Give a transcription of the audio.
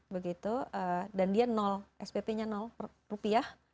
begitu dan dia nol spp nya rupiah